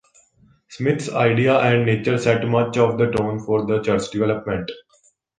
Smith's ideas and nature set much of the tone for the church's development.